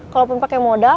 kalau pun pake modal